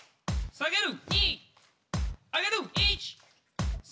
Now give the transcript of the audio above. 下げる！